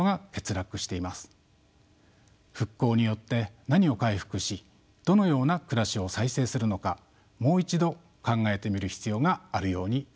復興によって何を回復しどのような暮らしを再生するのかもう一度考えてみる必要があるように思います。